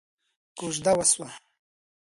کوژده وشوه.